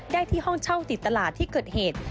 ได้ที่ห้องเช่าติดตลาดที่เกิดเหตุ